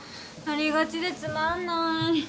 ありがちでつまんない。